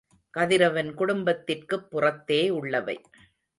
கதிரவன் குடும்பத்திற்குப் புறத்தே உள்ளவை.